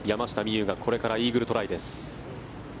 有がこれからイーグルトライです。